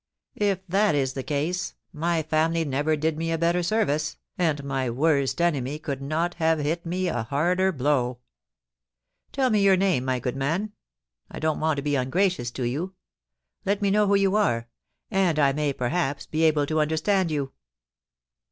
If that is the case, my family never did me a better service, and my worst enemy could not have hit me a harder blow. Tell me your AN INTERVIEW WITH SAMMY DEANS, 327 name, my good maa I don't want to be ungracious to you. Let me know who you are, and I may perhaps be able to understand you.'